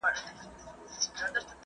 دا موبایل له هغه ګټور دی!